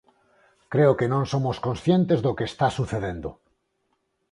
Creo que non somos conscientes do que está sucedendo.